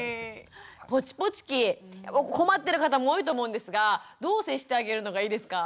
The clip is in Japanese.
ぽちぽち期困ってる方も多いと思うんですがどう接してあげるのがいいですか？